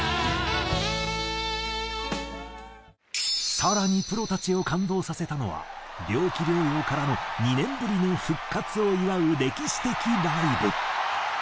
更にプロたちを感動させたのは病気療養からの２年ぶりの復活を祝う歴史的ライブ。